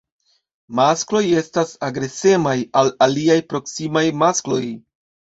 Maskloj estas agresemaj al aliaj proksimaj maskloj.